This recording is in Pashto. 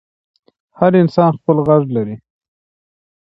هر نسل خپل غږ لري